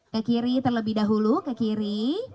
ke kiri terlebih dahulu ke kiri